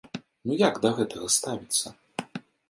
Ну як да гэтага ставіцца?